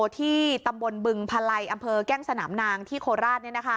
ที่ตำบลบึงพลัยอำเภอแก้งสนามนางที่โคราช